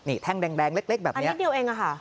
นี่แท่งแดงเล็กแบบนี้นิดเดียวเองอะค่ะ